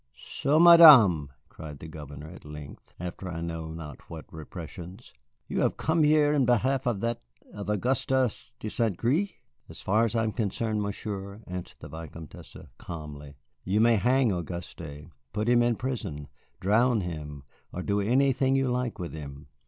"So, Madame," cried the Governor at length, after I know not what repressions, "you have come here in behalf of that of Auguste de St. Gré!" "So far as I am concerned, Monsieur," answered the Vicomtesse, calmly, "you may hang Auguste, put him in prison, drown him, or do anything you like with him."